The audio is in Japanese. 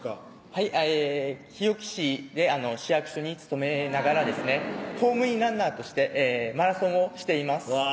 はい日置市で市役所に勤めながらですね公務員ランナーとしてマラソンをしていますうわ